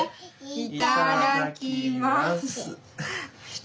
いただきます。